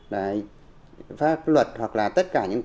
là pháp luật hoặc là tất cả những quy định về các hành vi bạo hành trẻ em